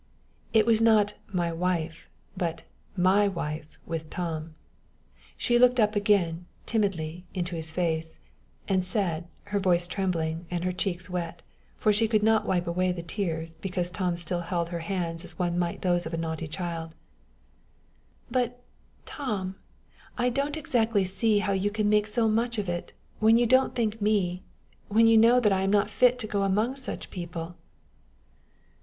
It was not "my wife," but "my wife" with Tom. She looked again up timidly in his face, and said, her voice trembling, and her cheeks wet, for she could not wipe away the tears, because Tom still held her hands as one might those of a naughty child: "But, Tom! I don't exactly see how you can make so much of it, when you don't think me when you know I am not fit to go among such people."